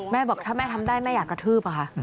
บอกถ้าแม่ทำได้แม่อยากกระทืบอะค่ะ